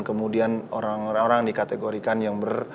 kemudian orang orang dikategorikan yang ber